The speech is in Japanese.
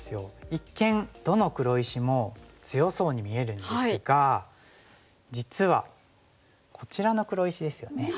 一見どの黒石も強そうに見えるんですが実はこちらの黒石ですよね。